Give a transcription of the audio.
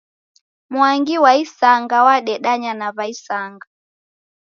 Mwangi wa isanga wadedanya na w'aisanga